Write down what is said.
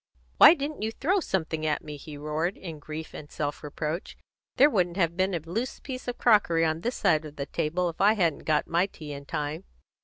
"Why didn't you throw something at me," he roared, in grief and self reproach. "There wouldn't have been a loose piece of crockery on this side of the table if I hadn't got my tea in time."